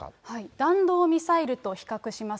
弾道ミサイルと比較します。